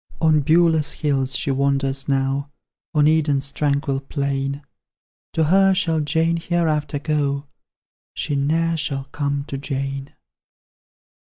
On Beulah's hills she wanders now, On Eden's tranquil plain; To her shall Jane hereafter go, She ne'er shall come to Jane!